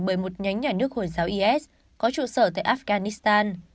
bởi một nhánh nhà nước hồi giáo is có trụ sở tại afghanistan